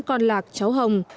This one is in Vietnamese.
con lạc cháu hồng